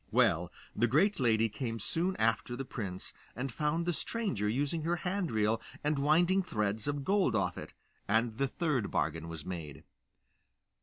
Well, the great lady came soon after the prince, and found the stranger using her hand reel and winding threads of gold off it, and the third bargain was made.